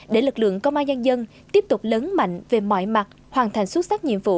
để lực lượng công an nhân dân tiếp tục lớn mạnh về mọi mặt hoàn thành xuất sắc nhiệm vụ